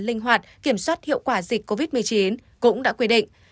linh hoạt kiểm soát hiệu quả dịch covid một mươi chín cũng đã quy định